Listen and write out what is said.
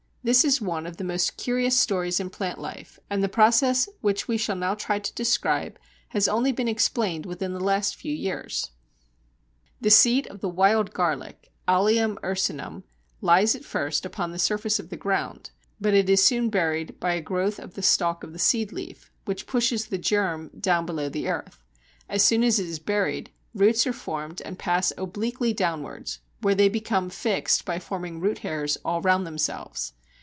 This is one of the most curious stories in plant life, and the process which we shall now try to describe has only been explained within the last few years. By the classical researches of Rimbach. The seed of the Wild Garlic (Allium ursinum) lies at first upon the surface of the ground, but it is soon buried by a growth of the stalk of the seed leaf, which pushes the germ down below the earth. As soon as it is buried, roots are formed and pass obliquely downwards, where they become fixed by forming root hairs all round themselves.